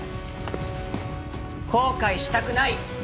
後悔したくない！